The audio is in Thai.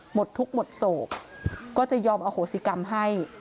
หมดทุกข์หมดโศกก็จะยอมอโหสิกรรมให้